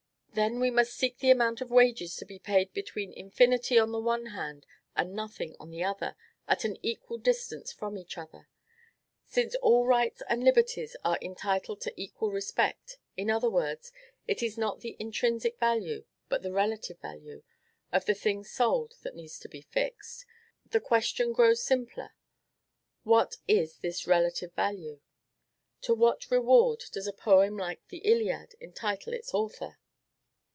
Then we must seek the amount of wages to be paid between infinity on the one hand and nothing on the other, at an equal distance from each, since all rights and liberties are entitled to equal respect; in other words, it is not the intrinsic value, but the relative value, of the thing sold that needs to be fixed. The question grows simpler: what is this relative value? To what reward does a poem like the "Iliad" entitle its author?